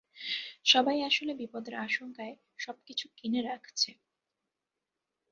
সবাই আসলে বিপদের আশংকায় সবকিছু কিনে রাখছে!